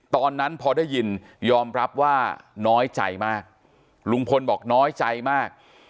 ตอนนั้นพอได้ยินยอมรับว่าน้อยใจมากลุงพลบอกน้อยใจมาก